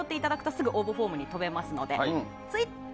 すぐ応募フォームのほうに飛べますので。